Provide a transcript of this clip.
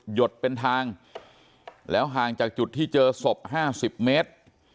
ดเป็นทางแล้วห่างจากจุดที่เจอศพ๕๐เมตร